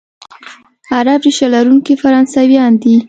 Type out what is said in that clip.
عرب ریشه لرونکي فرانسویان دي،